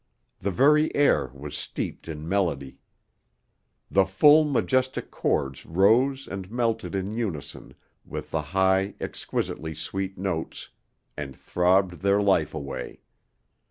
The very air was steeped in melody. The full majestic chords rose and melted in unison with the high, exquisitely sweet notes, and throbbed their life away.